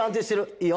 いいよ！